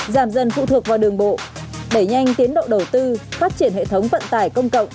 giảm dần phụ thuộc vào đường bộ đẩy nhanh tiến độ đầu tư phát triển hệ thống vận tải công cộng